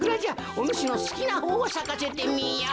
おぬしのすきなほうをさかせてみよ。